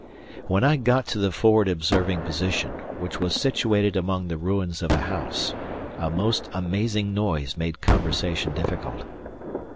When I got to the forward observing position, which was situated among the ruins of a house, a most amazing noise made conversation difficult.